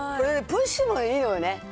プッシュもいいよね。